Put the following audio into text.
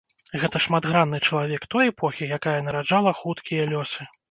Гэта шматгранны чалавек той эпохі, якая нараджала хуткія лёсы.